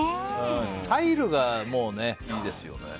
スタイルがもういいですよね。